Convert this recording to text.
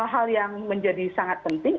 hal yang menjadi sangat penting